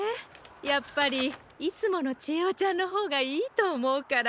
やっぱりいつものちえおちゃんのほうがいいとおもうから。